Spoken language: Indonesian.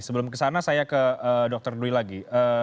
sebelum kesana saya ke dr dwi lagi